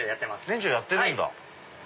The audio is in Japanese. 年中やってるんだ。